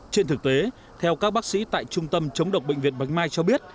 trên thực tế theo các bác sĩ tại trung tâm chống độc bệnh viện bạch mai cho biết